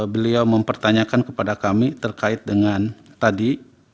beliau mempertanyakan kepada kami terkait dengan tadi